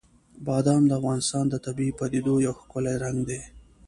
بادام د افغانستان د طبیعي پدیدو یو ښکلی رنګ دی.